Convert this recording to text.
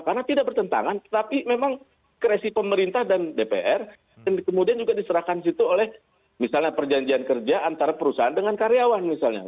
karena tidak bertentangan tetapi memang keresip pemerintah dan dpr kemudian juga diserahkan situ oleh misalnya perjanjian kerja antara perusahaan dengan karyawan misalnya